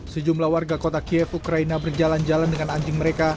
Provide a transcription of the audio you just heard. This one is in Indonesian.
sejumlah warga kota kiev ukraina berjalan jalan dengan anjing mereka